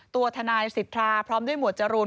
ตัวทนายสิทธาพร้อมด้วยหมวดจรูน